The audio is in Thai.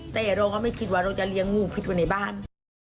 แต่เราก็ไม่คิดว่าเราจะเลี้ยงงูพิษไว้ในบ้าน